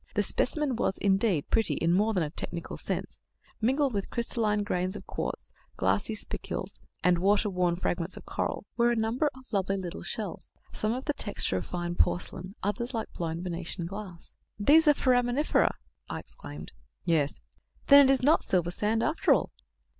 The specimen was, indeed, pretty in more than a technical sense. Mingled with crystalline grains of quartz, glassy spicules, and water worn fragments of coral, were a number of lovely little shells, some of the texture of fine porcelain, others like blown Venetian glass. [Illustration: THE SAND FROM THE MURDERED WOMAN'S PILLOW, MAGNIFIED 25 DIAMETERS.] "These are Foraminifera!" I exclaimed. "Yes." "Then it is not silver sand, after all?"